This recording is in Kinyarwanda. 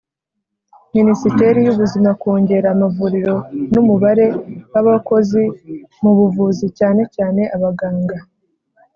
Minisiteri y Ubuzima Kongera amavuriro n umubare w abakozi mu buvuzi cyane cyane abaganga